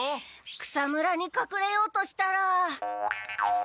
草むらに隠れようとしたら。